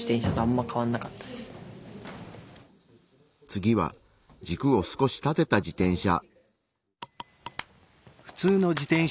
次は軸を少し立てた自転車。